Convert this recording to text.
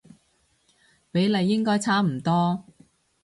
比例應該差唔多